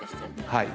はい。